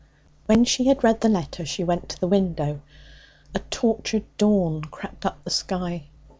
When she had read the letter, she went to the window. A tortured dawn crept up the sky.